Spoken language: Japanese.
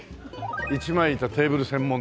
一枚板テーブル専門店。